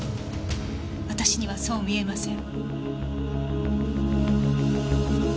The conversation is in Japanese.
私にはそう見えません。